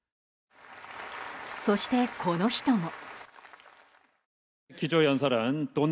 そして、この人も。